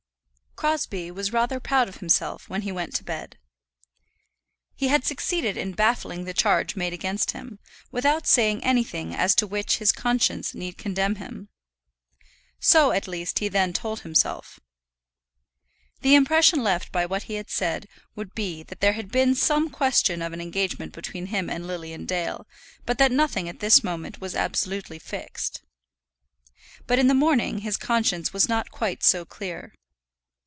Crosbie was rather proud of himself when he went to bed. He had succeeded in baffling the charge made against him, without saying anything as to which his conscience need condemn him. So, at least, he then told himself. The impression left by what he had said would be that there had been some question of an engagement between him and Lilian Dale, but that nothing at this moment was absolutely fixed. But in the morning his conscience was not quite so clear.